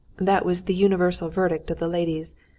That was the universal verdict of the ladies.